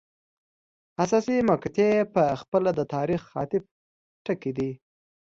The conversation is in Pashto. حساسې مقطعې په خپله د تاریخ د عطف ټکي دي.